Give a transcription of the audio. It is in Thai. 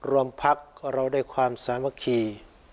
รวมพักเราได้ความสามัคคี